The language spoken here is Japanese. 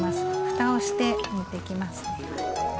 ふたをして煮ていきますね。